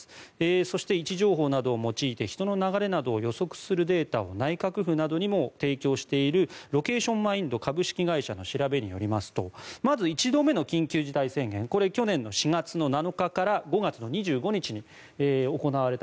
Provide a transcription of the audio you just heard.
そして、位置情報などを用いて人の流れなどを予測するデータを内閣府などにも提供しているＬｏｃａｔｉｏｎＭｉｎｄ株式会社の調べによりますとまず、１度目の緊急事態宣言これ、去年の４月７日から５月２５日に行われている。